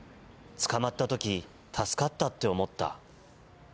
捕まったとき、助かったって思った。